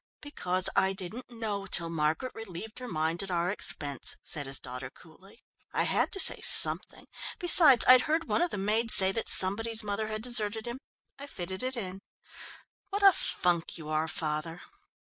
"Because I didn't know till Margaret relieved her mind at our expense," said his daughter coolly. "I had to say something. Besides, I'd heard one of the maids say that somebody's mother had deserted him I fitted it in. What a funk you are, father!"